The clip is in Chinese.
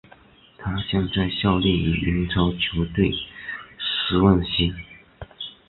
他现在效力于英超球队斯旺西。